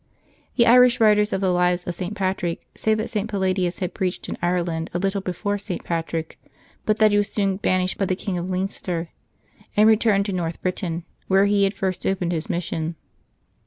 The Irish writers of the lives of St. Patrick say that St. Palladius had preached in Ireland a little before St. Patrick, but that he was soon banished by the King of Leinster, and returned, to North Britain, where he had first opened his mission.